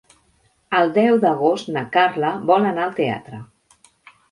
El deu d'agost na Carla vol anar al teatre.